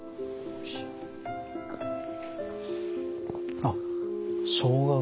あっしょうがが。